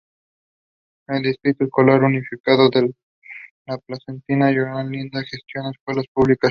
El Distrito Escolar Unificado de Placentia-Yorba Linda gestiona escuelas públicas.